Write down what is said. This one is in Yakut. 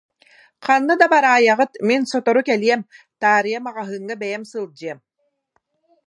Ханна да бараайаҕыт, мин сотору кэлиэм, таарыйа маҕаһыыҥҥа бэйэм сылдьыам